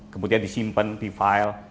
kemudian di simpan di file